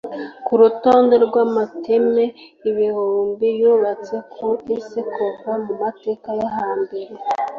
Ku rutonde rw’amateme ibihumbi yubatse ku Isi kuva mu mateka yo hambere